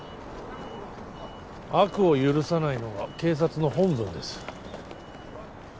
悪を許さないのが警察の本分です